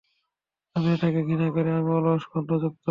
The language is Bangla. আমি এটাকে ঘৃণা করি, আমি অলস, গন্ধযুক্ত।